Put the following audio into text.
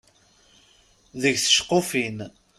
Deg tceqqufin.